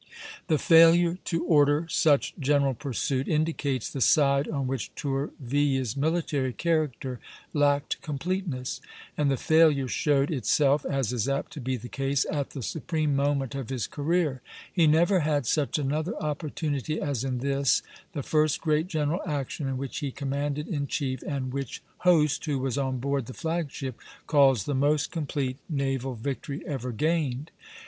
The failure to order such general pursuit indicates the side on which Tourville's military character lacked completeness; and the failure showed itself, as is apt to be the case, at the supreme moment of his career. He never had such another opportunity as in this, the first great general action in which he commanded in chief, and which Hoste, who was on board the flag ship, calls the most complete naval victory ever gained.